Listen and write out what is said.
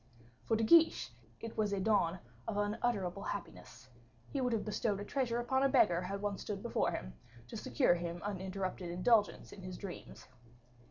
For De Guiche it was the dawn of unutterable happiness; he would have bestowed a treasure upon a beggar, had one stood before him, to secure him uninterrupted indulgence in his dreams.